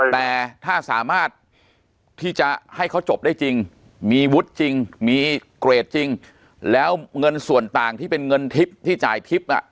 แต่ถ้าสามารถที่จะให้เขาจบได้จริงมีวุฒิจริงมีเกรดจริงแล้วเงินส่วนต่างที่เป็นเงินทิพย์ที่จ่ายทิพย์